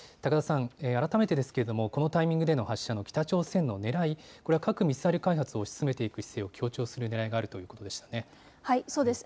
改めてですがこのタイミングでの発射、北朝鮮のねらい、核・ミサイル開発を推し進めていくことを強調するねらいがあるということでしたね。